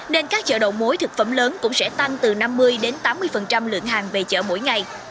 nên các chợ đầu mối thực phẩm lớn cũng sẽ tăng từ năm mươi tám mươi lượng hàng về chợ mỗi ngày